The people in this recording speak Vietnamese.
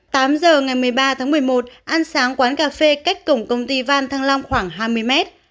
tám giờ ngày một mươi ba tháng một mươi một ăn sáng quán cà phê cách cổng công ty van thăng long khoảng hai mươi mét